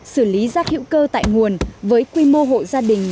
xử lý rác hữu cơ tại nguồn với quy mô hộ gia đình